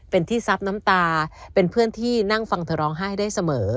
เป็นที่ซับน้ำตาเป็นเพื่อนที่นั่งฟังเธอร้องไห้ได้เสมอ